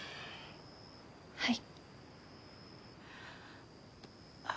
はい。